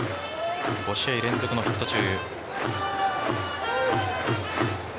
５試合連続のヒット中。